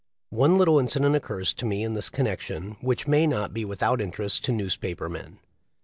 One little incident occurs to me in this connection which may not be without interest to newspaper men.